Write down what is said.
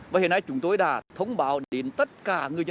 và hiện nay chúng tôi đã thông báo đến tất cả người dân